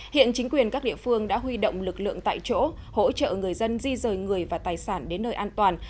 hiện chính quyền các địa phương đã huy động lực lượng tại chỗ hỗ trợ người dân di rời người và tài sản đến nơi an toàn